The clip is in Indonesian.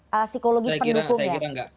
psikologis pendukung ya